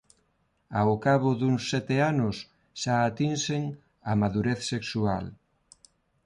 Ao cabo duns sete anos xa atinxen a madurez sexual.